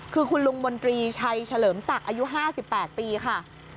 คือคุณลุงมนตรีชัยเฉลิมศักดิ์อายุ๕๘ปีค่ะ